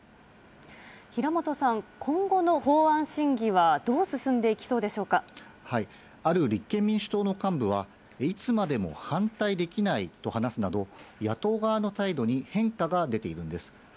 平本さん、今後の法案審議は、ある立憲民主党の幹部は、いつまでも反対できないと話すなど、野党側の態度に変化が出ているんです。